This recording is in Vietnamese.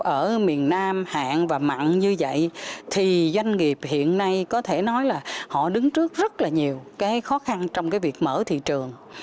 ở miền nam hạn và mặn như vậy thì doanh nghiệp hiện nay có thể nói là họ đứng trước rất là nhiều cái khó khăn trong cái việc mở thị trường